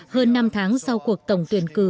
hơn năm tháng sau cuộc tổng tuyển cử